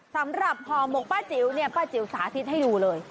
สำหรับห่อหมกป้าจิ๋วเนี่ยป้าจิ๋วสาธิตให้ดูเลย